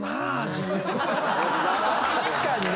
確かにね！